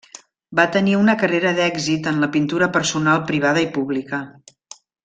Va tenir una carrera d'èxit en la pintura personal privada i pública.